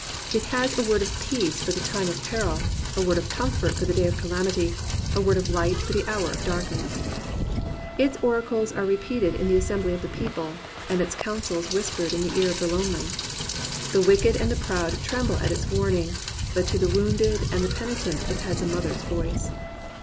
It has a word of peace for the time of peril, a word of comfort for the day of calamity y a word of light for the hour of darkness. Its oracles are repeated in the assembly of the people, and its counsels whispered in the ear of the lonely. The wicked and the proud tremble at its warning, but to the wounded and the penitent it has a mother^s voice.